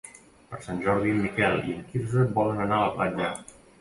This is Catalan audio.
Per Sant Jordi en Miquel i en Quirze volen anar a la platja.